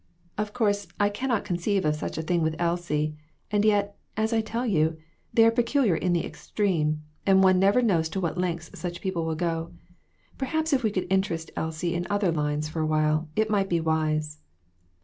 Of course, I cannot conceive READY TO MAKE SACRIFICES. 25! of such a thing with Elsie ; and yet, as I tell you, they are peculiar in the extreme, and one never knows to what lengths such people will go. Per haps if we could interest Elsie in other lines for a while, it might be wise."